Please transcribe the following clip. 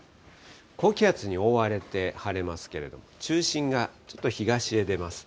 高気圧に覆われて晴れますけれども、中心がちょっと東へ出ます。